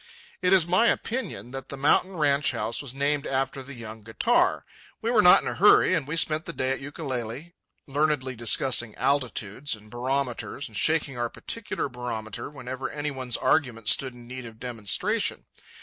It is my opinion that the mountain ranch house was named after the young guitar. We were not in a hurry, and we spent the day at Ukulele, learnedly discussing altitudes and barometers and shaking our particular barometer whenever any one's argument stood in need of demonstration.